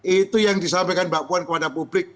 itu yang disampaikan mbak puan kepada publik